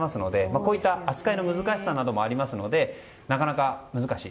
こういった扱いの難しさもあるのでなかなか難しい。